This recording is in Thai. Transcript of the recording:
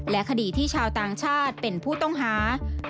และคดีที่ชาวต่างชาติเป็นผู้ต้องหา